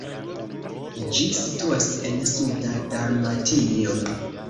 Ĝi situas en suda Dalmatio.